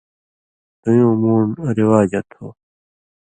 دُویُوں مُون٘ڈ رِواجہ تھو،